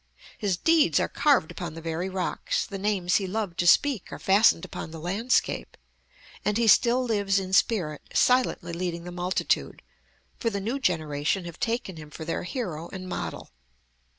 His deeds are carved upon the very rocks; the names he loved to speak are fastened upon the landscape; and he still lives in spirit, silently leading the multitude, for the new generation have taken him for their hero and model.